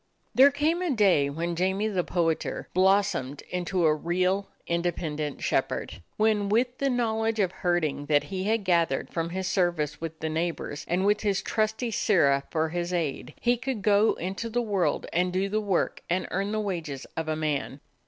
There came a day when "Jamie the Poeter" blossomed into a real, independent shepherd; when with the knowledge of herding that he had gathered from his service with the neigh bors, and with his trusty Sirrah for his aide, he could go into the world and do the work and earn the wages of a man.